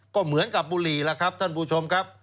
ก็เหมือนกับบุหรี่ล่ะครับท่านผู้ชมครับ